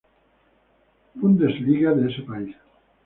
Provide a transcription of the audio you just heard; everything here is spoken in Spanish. Bundesliga de ese país.